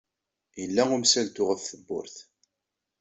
Yella umsaltu ɣef tewwurt.